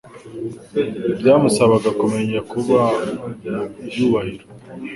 byamusabaga kumenya kuba mu byubahiro